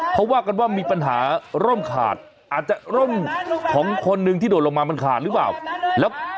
เขาว่ากันว่ามีปัญหาร่มขาดอาจจะร่มของคนหนึ่งที่โดดลงมามันขาดหรือเปล่า